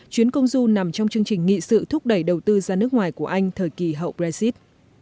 chuyến công du nằm trong chương trình nghị sự thúc đẩy đầu tư ra nước ngoài của anh thời kỳ hậu brexit